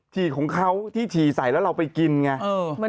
ถี่ของเขาที่ฉี่ใส่แล้วเราไปกินไง